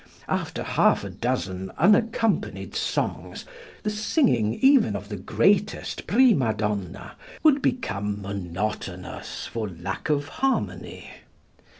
After half a dozen unaccompanied songs the singing even of the greatest prima donna would become monotonous for lack of harmony.